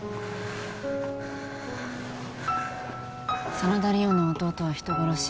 真田梨央の弟は人殺し